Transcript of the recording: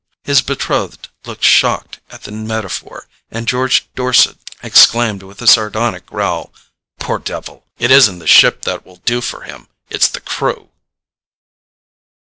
His betrothed looked shocked at the metaphor, and George Dorset exclaimed with a sardonic growl: "Poor devil! It isn't the ship that will do for him, it's the crew."